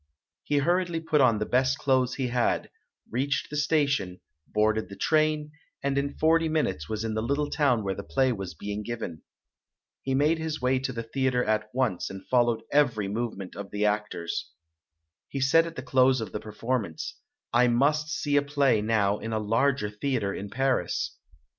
He hurriedly put on the best clothes he had, reached the station, boarded the train, and in forty minutes was in the little town where the play was being given. He made his way to the theatre at once and fol lowed every movement of the actors. He said at the close of the performance, "I must see a play now in a larger theatre in Paris".